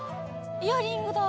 イヤリングだ！